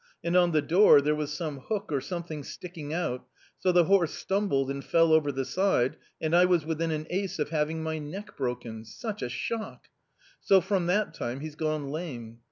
And on the door there was some hook or something sticking out ; so the horse stumbled and fell over the side, and I was within an ace of having my neck broken — such a shock ! So from that time he's gone lame.